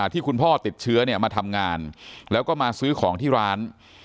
ที่คุณพ่อติดเชื้อมาทำงานแล้วก็มาซื้อของที่ร้าน